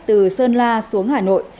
từ sơn la xuống hà nội